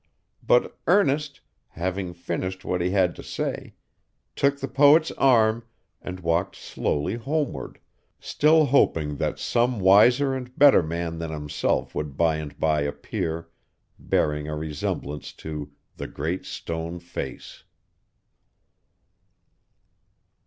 But Ernest, having finished what he had to say, took the poet's arm, and walked slowly homeward, still hoping that some wiser and better man than himself would by and by appear, bearing a resemblance to the GREAT STONE FACE.